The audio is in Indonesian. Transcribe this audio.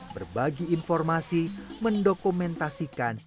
berbagi informasi mendokumentasikan